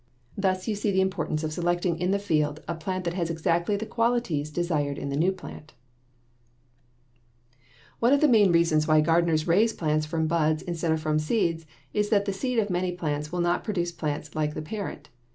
Thus you see the importance of selecting in the field a plant that has exactly the qualities desired in the new plant. One of the main reasons why gardeners raise plants from buds instead of from seeds is that the seed of many plants will not produce plants like the parent.